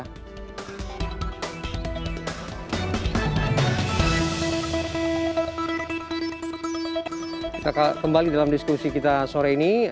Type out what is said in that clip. kita kembali dalam diskusi kita sore ini